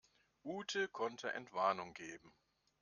Ute konnte Entwarnung geben.